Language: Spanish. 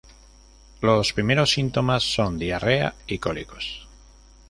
Los primeros síntomas son diarrea y cólicos.